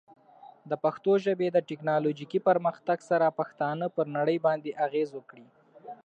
د پښتو ژبې د ټیکنالوجیکي پرمختګ سره، پښتانه پر نړۍ باندې اغېز وکړي.